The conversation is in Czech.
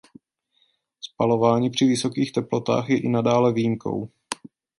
Spalování při vysokých teplotách je i nadále výjimkou.